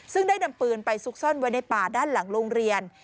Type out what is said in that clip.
ซึ่งได้นำปืนไปซุกซ่อนไว้ในป่าด้านหลังโรงเรียน